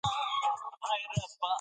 قانون د اصولو د پلي کولو وسیله ده.